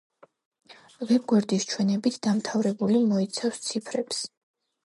ვებ გვერდის ჩვენებით დამთავრებული მოიცავს ციფრებს.